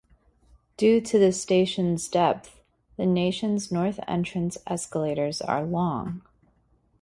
Due to the station's depth, the station's north entrance escalators are long.